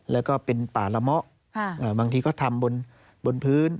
แล้วก็เป็นป่าละเมาะบางทีก็ทำบนพื้น